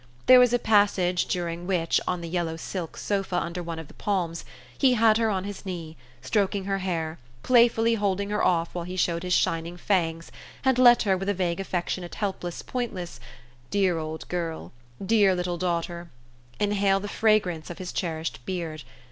There was a passage during which, on a yellow silk sofa under one of the palms, he had her on his knee, stroking her hair, playfully holding her off while he showed his shining fangs and let her, with a vague affectionate helpless pointless "Dear old girl, dear little daughter," inhale the fragrance of his cherished beard.